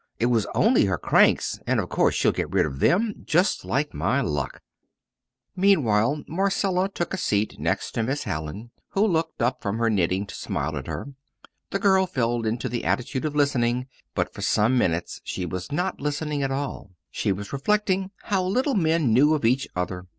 "It was only her cranks, and of course she'll get rid of them. Just like my luck!" Meanwhile Marcella took a seat next to Miss Hallin, who looked up from her knitting to smile at her. The girl fell into the attitude of listening; but for some minutes she was not listening at all. She was reflecting how little men knew of each other!